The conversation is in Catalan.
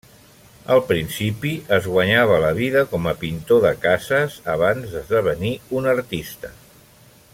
Al principi es guanyava la vida com a pintor de cases abans d'esdevenir un artista.